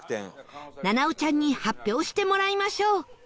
菜々緒ちゃんに発表してもらいましょう